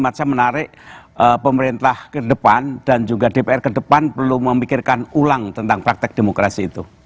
maka menarik pemerintah ke depan dan juga dpr kedepan perlu memikirkan ulang tentang praktek demokrasi itu